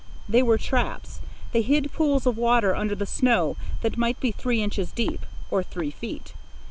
They were traps. They hid pools of water under the snow that might be three inches deep, or three feet.